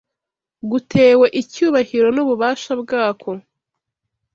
gutewe icyubahiro n’ububasha bwako